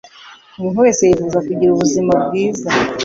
Umuntu wese yifuza kugira ubuzima bwiza.